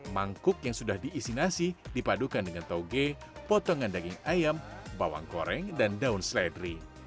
mangkuk yang sudah diisi nasi dipadukan dengan tauge potongan daging ayam bawang goreng dan daun seledri